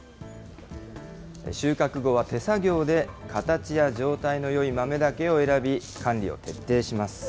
収穫後は手作業で形や状態のよい豆だけを選び、管理を徹底します。